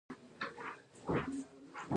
د هند مسلمانان تر روسانو زیات نفرت لري.